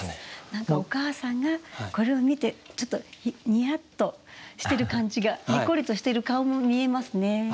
何かお母さんがこれを見てちょっとニヤッとしてる感じがニコリとしてる顔も見えますね。